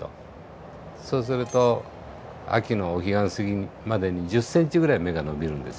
そうすると秋のお彼岸過ぎまでに１０ｃｍぐらい芽が伸びるんですね。